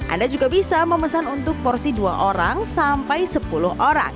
anda juga bisa memesan untuk porsi dua orang sampai sepuluh orang